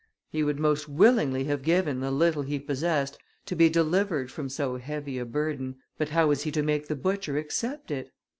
He would most willingly have given the little he possessed to be delivered from so heavy a burden; but how was he to make the butcher accept it?